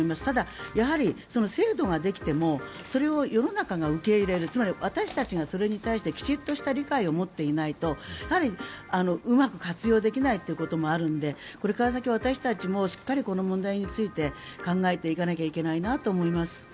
ただ、制度ができてもそれを世の中が受け入れるつまり私たちがそれに対してきちっとした理解を持っていないとうまく活用できないということもあるのでこれから先、私たちもしっかりこの問題について考えていかなきゃいけないなと思います。